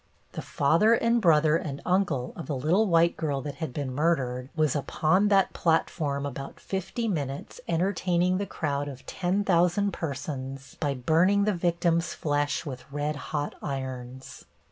The father and brother and uncle of the little white girl that had been murdered was upon that platform about fifty minutes entertaining the crowd of ten thousand persons by burning the victim's flesh with red hot irons.